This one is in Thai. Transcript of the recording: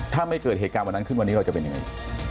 ถ้าไม่เกิดเหตุการณ์วันนั้นขึ้นวันนี้เราจะเป็นยังไง